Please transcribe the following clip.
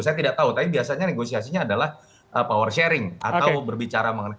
saya tidak tahu tapi biasanya negosiasinya adalah power sharing atau berbicara mengenai